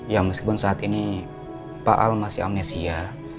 ya meskipun saat ini pak al masih amnesia